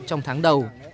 trong tháng đầu